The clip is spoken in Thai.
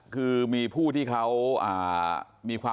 ปืนที่พลวงตรีธารินที่ใช้